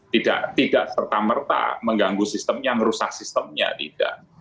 tidak serta merta mengganggu sistemnya merusak sistemnya tidak